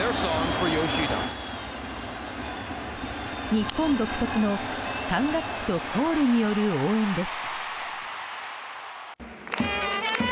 日本独特の管楽器とコールによる応援です。